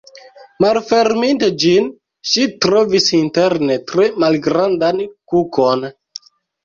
Malferminte ĝin, ŝi trovis interne tre malgrandan kukon.